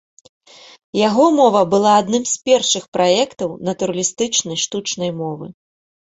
Яго мова была адным з першых праектаў натуралістычнай штучнай мовы.